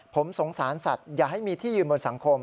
ผมสงสารสัตว์อย่าให้มีที่ยืนบนสังคม